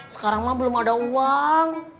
sekarang mah belum ada uang